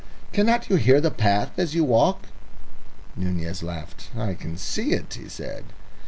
Cannot you hear the path as you walk?" Nunez laughed. "I can see it," he said.